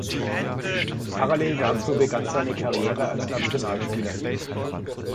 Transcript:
Parallel dazu begann seine Karriere als Nationalspieler.